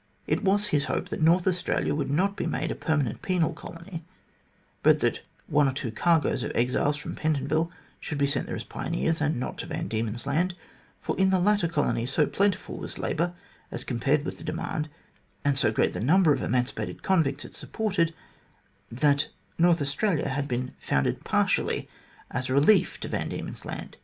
It was his hope that North Australia would not be made a permanent penal colony, but that one or two cargoes of exiles from Pentonville should be sent there as pioneers, and not to Van Diemen's Land, for in the latter colony so plentiful was labour as compared with the demand, and so great the number of emancipated convicts it supported, that North Australia had been founded partially as a relief to Van Diemen's Land.